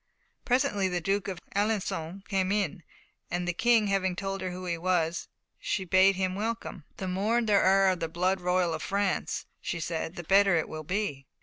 Presently the Duke of Alençon came in, and the King having told her who he was, she bade him welcome. "The more there are of the blood royal of France," she said, "the better it will be."